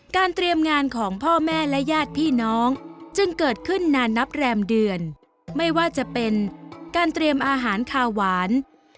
เตรียมงานของพ่อแม่และญาติพี่น้องจึงเกิดขึ้นนานนับแรมเดือนไม่ว่าจะเป็นการเตรียมอาหารคาหวาน